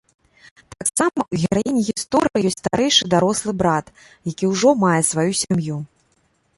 Таксама ў гераіні гісторыі ёсць старэйшы дарослы брат, які ўжо мае сваю сям'ю.